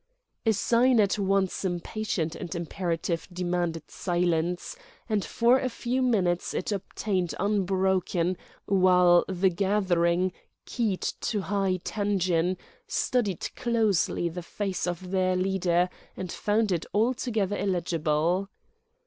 A sign at once impatient and imperative demanded silence, and for a few minutes it obtained unbroken, while the gathering, keyed to high tension, studied closely the face of their leader and found it altogether illegible.